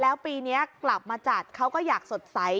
แล้วปีนี้กลับมาจัดเขาก็อยากสดใส